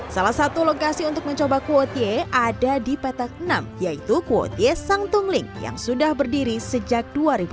salah satu lokasi untuk mencoba kuotie ada di petak enam yaitu kuotie sang tungling yang sudah berdiri sejak dua ribu enam belas